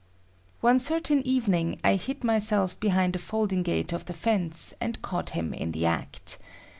One certain evening I hid myself behind a folding gate of the fence and caught him in the act.